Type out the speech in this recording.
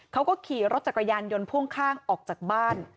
เขาก็ขี่รถจักรยานยนต์พ่วงข้างออกจากบ้าน